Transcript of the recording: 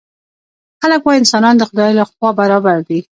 خلک وايي انسانان د خدای له خوا برابر دي.